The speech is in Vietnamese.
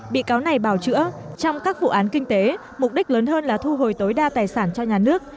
bị cáo này bào chữa trong các vụ án kinh tế mục đích lớn hơn là thu hồi tối đa tài sản cho nhà nước